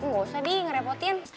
gak usah di nge repotin